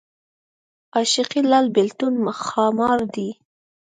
عاشقي لال بېلتون ښامار دی